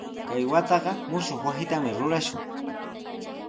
Kay wataqa mushuq wasitami rurashun.